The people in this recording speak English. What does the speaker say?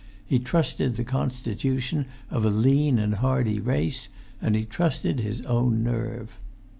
He trusted the constitution of a lean and hardy race, and he trusted his own nerve.